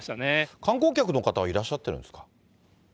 観光客の方はいらっしゃってるんですか？